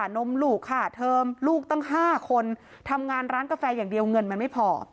นมลูกค่าเทอมลูกตั้ง๕คนทำงานร้านกาแฟอย่างเดียวเงินมันไม่พอ